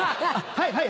はいはい。